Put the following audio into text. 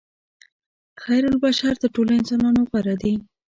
خیرالبشر تر ټولو انسانانو غوره دي.